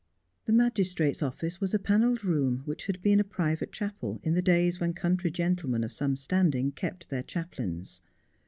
The magistrate's office was a panelled room which had been a private chapel in the days when country gentlemen of some standing kept their chaplains.